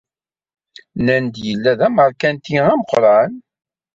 Nnan-d yella d ameṛkanti ameqran.